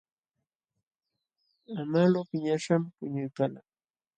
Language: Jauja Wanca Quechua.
Amalu piñaśhqam puñuykalqa.